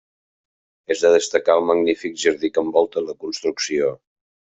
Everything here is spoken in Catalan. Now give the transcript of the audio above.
És de destacar el magnífic jardí que envolta la construcció.